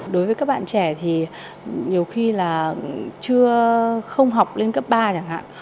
đối với các bạn trẻ thì nhiều khi là chưa không học lên cấp ba chẳng hạn